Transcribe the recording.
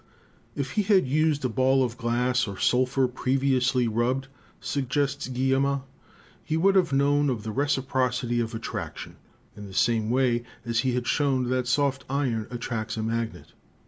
"If he had used a ball of glass or sulphur previously; rubbed," sugests Guillemin, "he would have known of the reciprocity of attraction in the same way as he had shown that soft iron attracts a magnet.